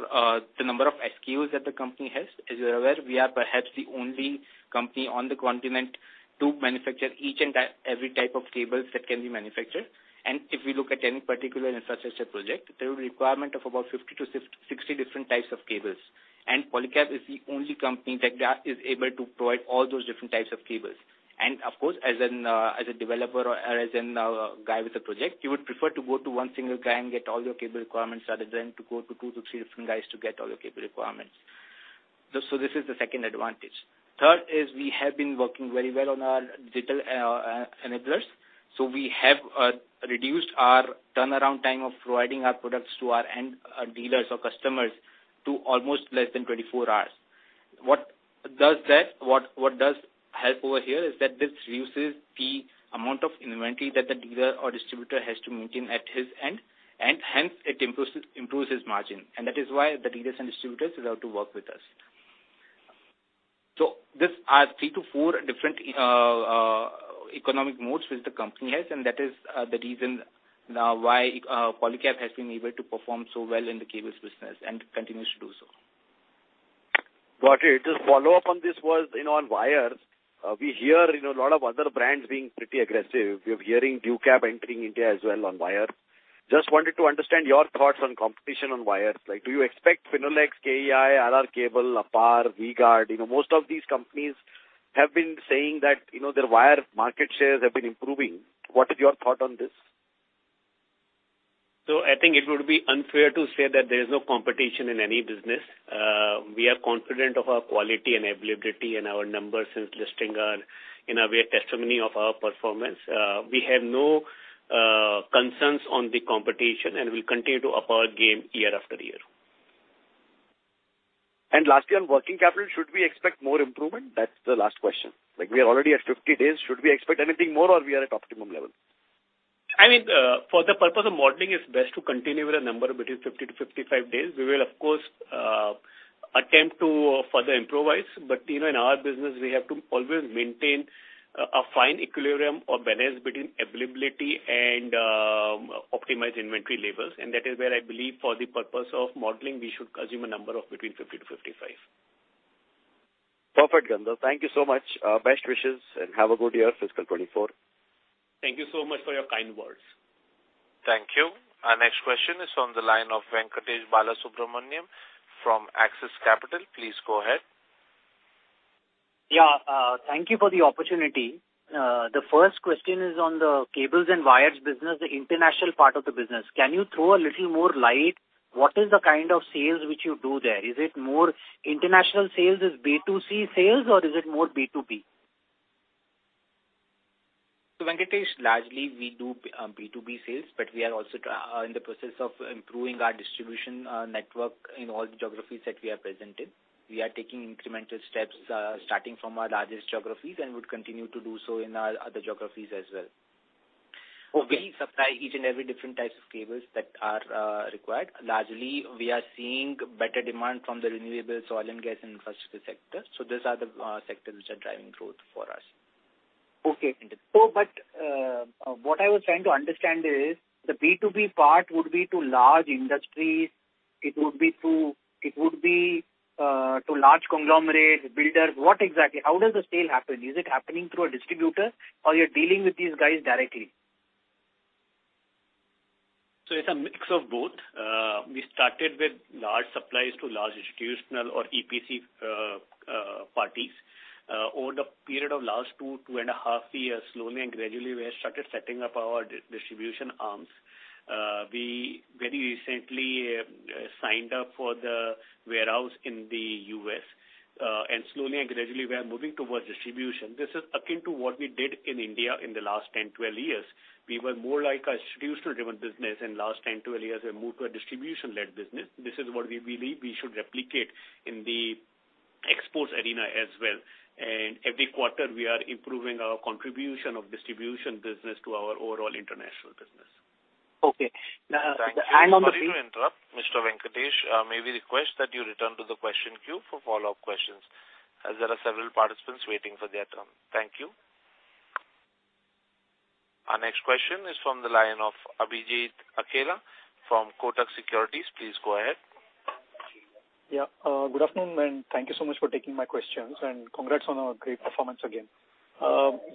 the number of SKUs that the company has. As you're aware, we are perhaps the only company on the continent to manufacture each and every type of cables that can be manufactured. If you look at any particular infrastructure project, there will be requirement of about 50-60 different types of cables. Polycab is the only company that is able to provide all those different types of cables. Of course, as an, as a developer or as an, guy with a project, you would prefer to go to one single guy and get all your cable requirements rather than to go to 2-3 different guys to get all your cable requirements. This is the second advantage. Third is we have been working very well on our digital enablers. We have reduced our turnaround time of providing our products to our end dealers or customers to almost less than 24 hours. What does help over here is that this reduces the amount of inventory that the dealer or distributor has to maintain at his end, and hence it improves his margin. That is why the dealers and distributors love to work with us. These are 3 to 4 different economic moats which the company has, and that is the reason now why Polycab has been able to perform so well in the cables business and continues to do so. Got it. Just follow up on this was, you know, on wires. We hear, you know, a lot of other brands being pretty aggressive. We're hearing Ducab entering India as well on wire. Just wanted to understand your thoughts on competition on wires. Like, do you expect Finolex, KEI, RR Kabel, Apar, V-Guard? You know, most of these companies have been saying that, you know, their wire market shares have been improving. What is your thought on this? I think it would be unfair to say that there is no competition in any business. We are confident of our quality and availability, and our numbers since listing are, in a way, a testimony of our performance. We have no concerns on the competition and we'll continue to up our game year after year. Lastly, on working capital, should we expect more improvement? That's the last question. Like, we are already at 50 days. Should we expect anything more or we are at optimum level? I mean, for the purpose of modeling, it's best to continue with a number between 50-55 days. We will of course attempt to further improvise. You know, in our business we have to always maintain a fine equilibrium or balance between availability and optimized inventory levels. That is where I believe for the purpose of modeling, we should assume a number of between 50-55. Perfect, Gandharv. Thank you so much. Best wishes and have a good year, fiscal 2024. Thank you so much for your kind words. Thank you. Our next question is on the line of Venkatesh Balasubramanian from Axis Capital. Please go ahead. Yeah. Thank you for the opportunity. The first question is on the cables and wires business, the international part of the business. Can you throw a little more light, what is the kind of sales which you do there? Is it more international sales as B2C sales or is it more B2B? Venkatesh, largely we do B2B sales. We are also in the process of improving our distribution network in all the geographies that we are present in. We are taking incremental steps, starting from our largest geographies and would continue to do so in our other geographies as well. Okay. We supply each and every different types of cables that are required. Largely, we are seeing better demand from the renewables, oil and gas, and infrastructure sector. These are the sectors which are driving growth for us. What I was trying to understand is the B2B part would be to large industries, it would be to large conglomerates, builders. How does the sale happen? Is it happening through a distributor or you're dealing with these guys directly? It's a mix of both. We started with large supplies to large institutional or EPC parties. Over the period of last two and a half years, slowly and gradually, we have started setting up our distribution arms. We very recently signed up for the warehouse in the US, and slowly and gradually we are moving towards distribution. This is akin to what we did in India in the last 10, 12 years. We were more like a distributor-driven business in last 10, 12 years and moved to a distribution-led business. This is what we believe we should replicate in the exports arena as well. Every quarter we are improving our contribution of distribution business to our overall international business. Okay. Thank you. Sorry to interrupt, Mr. Venkatesh. May we request that you return to the question queue for follow-up questions, as there are several participants waiting for their turn. Thank you. Our next question is from the line of Abhijit Akela from Kotak Securities. Please go ahead. Yeah. Good afternoon, and thank you so much for taking my questions. Congrats on a great performance again.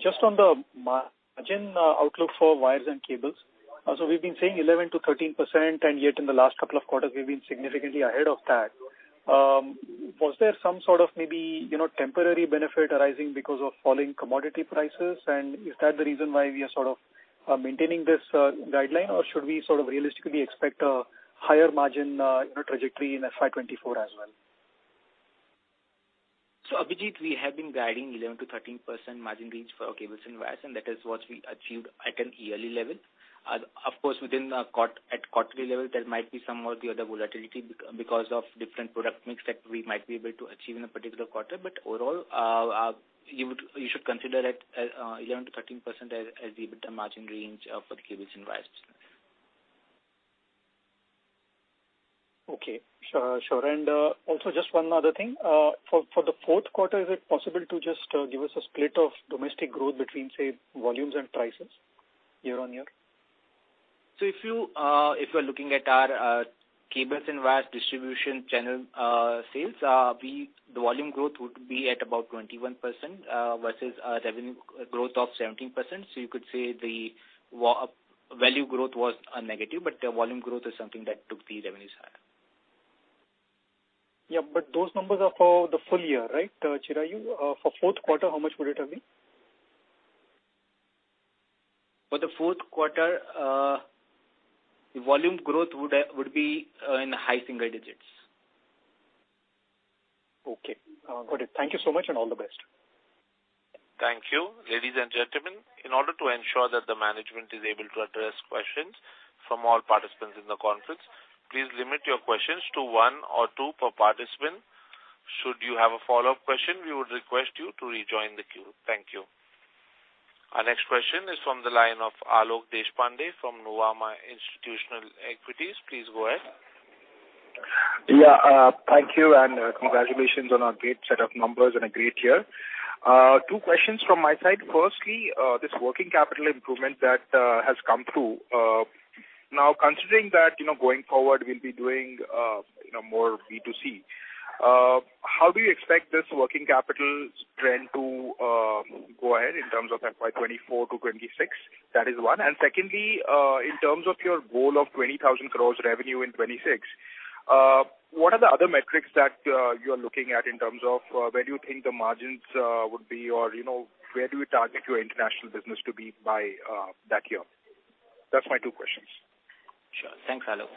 Just on the margin, outlook for wires and cables. We've been saying 11%-13%, and yet in the last couple of quarters we've been significantly ahead of that. Was there some sort of maybe, you know, temporary benefit arising because of falling commodity prices? Is that the reason why we are sort of, maintaining this, guideline? Should we sort of realistically expect a higher margin, you know, trajectory in FY 2024 as well? Abhijit, we have been guiding 11%-13% margin range for our cables and wires, and that is what we achieved at an yearly level. Of course, at quarterly level, there might be some or the other volatility because of different product mix that we might be able to achieve in a particular quarter. Overall, you should consider it 11%-13% as the EBITDA margin range for the cables and wires. Okay. Sure. Also just one other thing. For the fourth quarter, is it possible to just give us a split of domestic growth between, say, volumes and prices year-on-year? If you, if you are looking at our cables and wires distribution channel sales, the volume growth would be at about 21%, versus a revenue growth of 17%. You could say the value growth was negative, but the volume growth is something that took the revenues higher. Yeah. Those numbers are for the full year, right, Chirayu? For fourth quarter, how much would it have been? For the fourth quarter, the volume growth would be in high single digits. Okay. Got it. Thank you so much, all the best. Thank you. Ladies and gentlemen, in order to ensure that the management is able to address questions from all participants in the conference, please limit your questions to one or two per participant. Should you have a follow-up question, we would request you to rejoin the queue. Thank you. Our next question is from the line of Alok Deshpande from Nuvama Institutional Equities. Please go ahead. Yeah. Thank you. Congratulations on a great set of numbers and a great year. Two questions from my side. Firstly, this working capital improvement that has come through. Now considering that, you know, going forward, we'll be doing, you know, more B2C, how do you expect this working capital trend to go ahead in terms of FY 2024-2026? That is one. Secondly, in terms of your goal of 20,000 crores revenue in 2026, what are the other metrics that you are looking at in terms of where you think the margins would be or, you know, where do you target your international business to be by that year? That's my two questions. Sure. Thanks, Alok.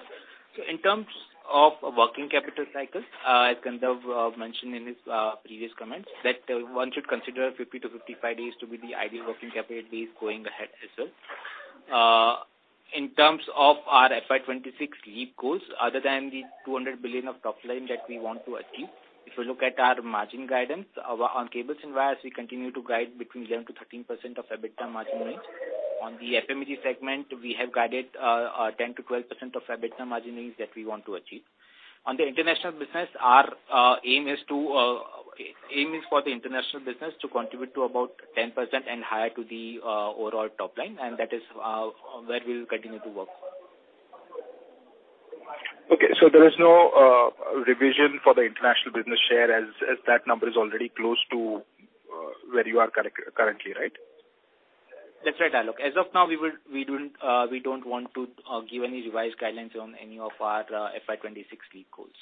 In terms of working capital cycles, as Gandharv mentioned in his previous comments, that one should consider 50-55 days to be the ideal working capital days going ahead as well. In terms of our FY 2026 leap goals, other than the 200 billion of top line that we want to achieve, if you look at our margin guidance, on cables and wires, we continue to guide between 10%-13% of EBITDA margin range. On the FMEG segment, we have guided a 10%-12% of EBITDA margin range that we want to achieve. On the international business, our aim is for the international business to contribute to about 10% and higher to the overall top line. That is where we'll continue to work. Okay. There is no revision for the international business share as that number is already close to where you are currently, right? That's right, Alok. As of now, we don't want to give any revised guidelines on any of our FY 2026 Leap goals.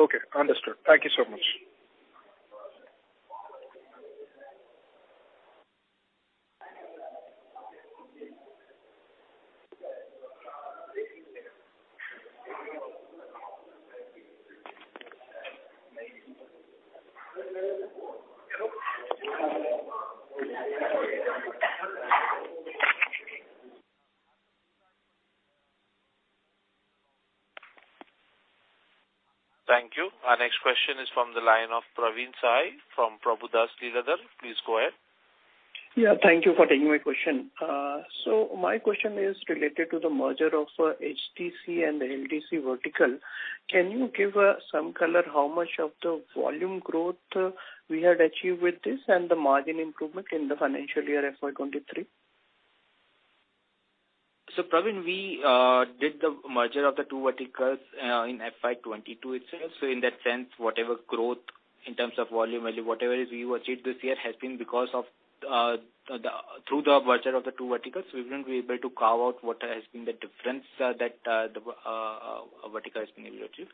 Okay. Understood. Thank you so much. Thank you. Our next question is from the line of Praveen Agrawal from Prabhudas Lilladher. Please go ahead. Thank you for taking my question. My question is related to the merger of HDC and the LDC vertical. Can you give some color how much of the volume growth we had achieved with this and the margin improvement in the financial year FY 2023? Praveen, we did the merger of the two verticals in FY 2022 itself. In that sense, whatever growth in terms of volume, value, whatever is we achieved this year has been because of the merger of the two verticals. We wouldn't be able to carve out what has been the difference that the vertical has been able to achieve.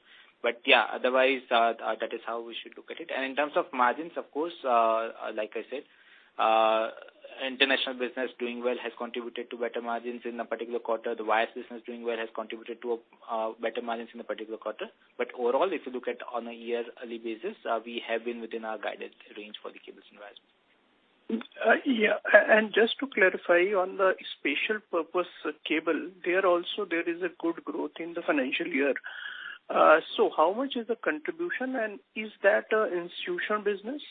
Yeah, otherwise, that is how we should look at it. In terms of margins, of course, like I said, international business doing well has contributed to better margins in a particular quarter. The wires business doing well has contributed to better margins in a particular quarter. Overall, if you look at on a yearly basis, we have been within our guided range for the cables and wires. Yeah. Just to clarify on the special purpose cable, there also there is a good growth in the financial year. How much is the contribution and is that institutional business?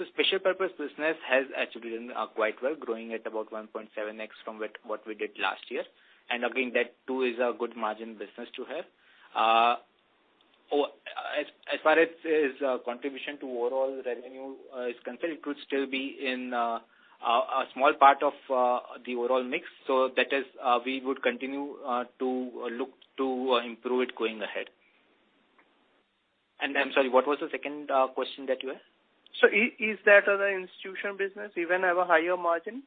The special purpose business has actually been quite well, growing at about 1.7x from what we did last year. Again, that too is a good margin business to have. As far as its contribution to overall revenue is concerned, it could still be in a small part of the overall mix. That is, we would continue to look to improve it going ahead. I'm sorry, what was the second question that you had? Is that other institutional business even have a higher margin?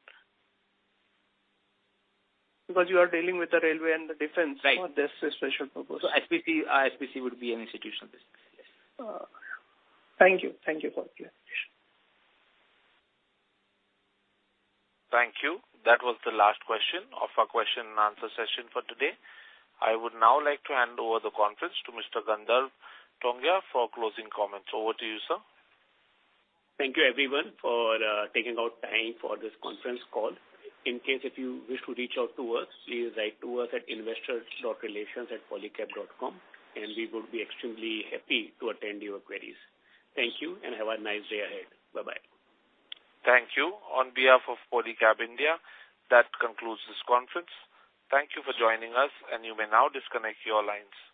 Because you are dealing with the railway and the defense- Right. For this special purpose. SPC would be an institutional business. Yes. Thank you. Thank you for clarification. Thank you. That was the last question of our question-and-answer session for today. I would now like to hand over the conference to Mr. Gandharv Tongia for closing comments. Over to you, sir. Thank you everyone for taking out time for this conference call. In case if you wish to reach out to us, please write to us at investor.relations@Polycab.com. We would be extremely happy to attend your queries. Thank you. Have a nice day ahead. Bye-bye. Thank you. On behalf of Polycab India, that concludes this conference. Thank you for joining us, and you may now disconnect your lines.